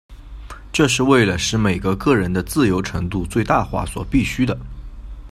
这是为了使每个个人的自由程度最大化所必需的。